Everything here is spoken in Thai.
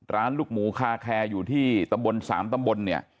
ร้านลูกหมูคาแคร์อยู่ที่๓ตำบลเนี่ย